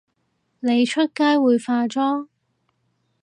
你出街會化妝？